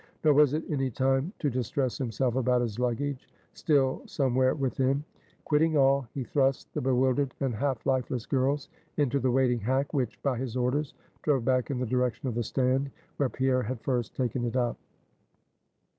Nor was it any time to distress himself about his luggage, still somewhere within. Quitting all, he thrust the bewildered and half lifeless girls into the waiting hack, which, by his orders, drove back in the direction of the stand, where Pierre had first taken it up.